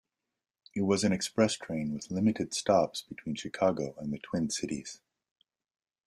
It was an express train with limited stops between Chicago and the Twin Cities.